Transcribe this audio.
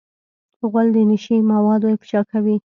غول د نشې مواد افشا کوي.